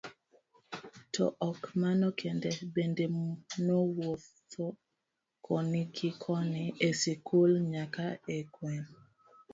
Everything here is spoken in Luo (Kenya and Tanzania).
To ok mano kende, bende nowuotho koni gi koni e skul nyaka e gweng'.